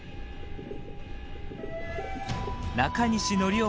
中西紀雄